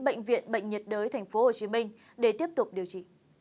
bệnh viện bệnh nhiệt đới tp hcm để tiếp tục điều trị